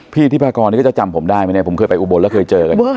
พี่ผู้ถูกภากรก็จะจำผมได้ไหมนะผมเคยไปอุบลแล้วเคยเจอกัน